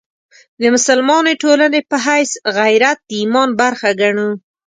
د مسلمانې ټولنې په حیث غیرت د ایمان برخه ګڼو.